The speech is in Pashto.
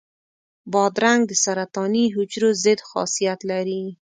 بادرنګ د سرطاني حجرو ضد خاصیت لري.